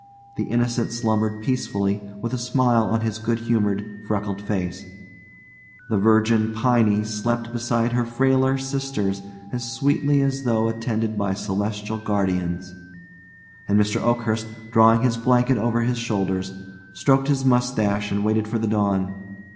The Innocent slumbered peacefully, with a smile on his good humored, freckled face; the virgin Piney slept beside her frailer sisters as sweetly as though attended by celestial guardians; and Mr. Oakhurst, drawing his blanket over his shoulders, stroked his mustaches and waited for the dawn.